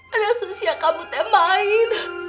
ada susya kamu teh main